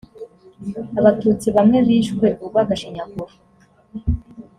abatutsi bamwe bishwe urwgashinyaguro.